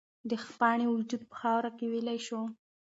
د پاڼې وجود په خاوره کې ویلې شو.